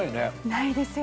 ないですよね。